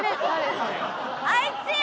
あいつや！